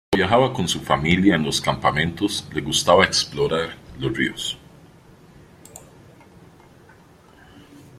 Cuando viajaba con su familia, en los campamentos, le gustaba explorar los ríos.